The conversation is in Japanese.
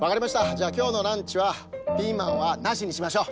じゃあきょうのランチはピーマンはなしにしましょう。